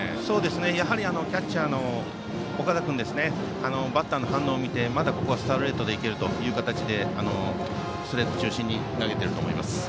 やはり、キャッチャーの尾形君がバッターの反応を見て、まだストレートでいけるということでストレート中心に投げていると思います。